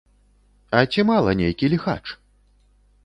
А ці мала нейкі ліхач?